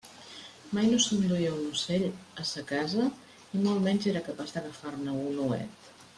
Mai no s'enduia un ocell a sa casa i molt menys era capaç d'agafar-ne un ouet.